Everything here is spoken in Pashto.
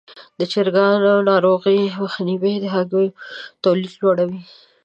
د چرګانو ناروغیو مخنیوی د هګیو تولید لوړوي.